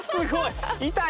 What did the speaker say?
痛い。